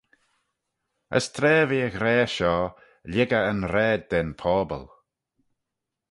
As tra v'eh er ghra shoh, lhig eh yn raad da'n pobble.